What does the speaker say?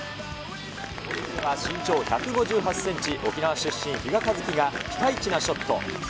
身長１５８センチ、沖縄出身、比嘉一貴がピカイチなショット。